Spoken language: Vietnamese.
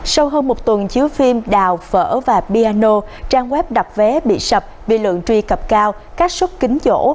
sau hơn một tuần chiếu phim đào phở và piano trang web đặt vé bị sập bị lượng truy cập cao các sốt kính dỗ